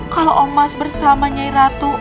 kalau emas bersama nyai ratu